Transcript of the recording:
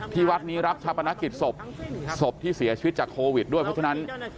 วัดนี้รับชาปนกิจศพศพที่เสียชีวิตจากโควิดด้วยเพราะฉะนั้น